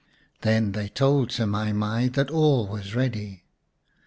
Then they told Semai mai that all was ready.